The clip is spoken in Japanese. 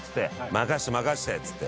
「任せて任せて」っつって。